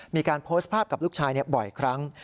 มีการโพสต์ภาพกับลูกชายบ่อยครั้ง